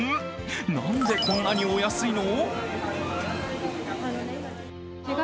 なんでこんなにお安いの？